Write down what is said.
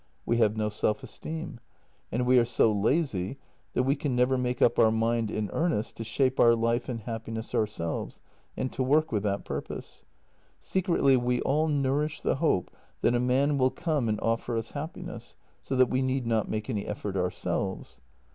We have no self esteem, and we are so lazy that we can never make up our mind in earnest to shape our life and happiness ourselves, and to work with that purpose. Secretly we all nourish the hope that a man will come and offer us happiness, so that we need not make any effort ourselves.